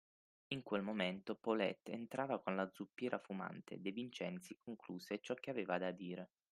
In quel momento Paulette entrava con la zuppiera fumante e De Vincenzi concluse ciò che aveva da dire.